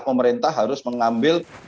pemerintah harus mengambil